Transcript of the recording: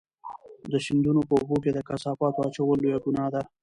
د سیندونو په اوبو کې د کثافاتو اچول لویه ګناه ده.